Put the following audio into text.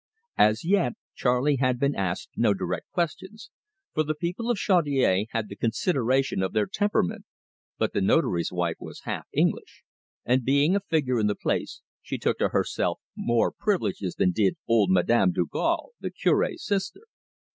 As yet, Charley had been asked no direct questions, for the people of Chaudiere had the consideration of their temperament; but the Notary's wife was half English, and being a figure in the place, she took to herself more privileges than did old Madame Dugal, the Cure's sister.